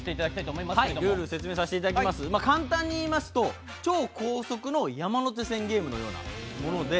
簡単にいいますと超高速の山手線ゲームのようなもので。